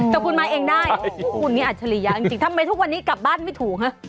แต่คุณมาเองได้คุณนี่อัจฉริยะจริงทำไมทุกวันนี้กลับบ้านไม่ถูกฮะ